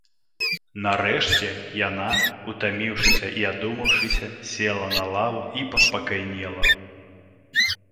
Нарэшце, яна, утаміўшыся і адумаўшыся, села на лаву і паспакайнела.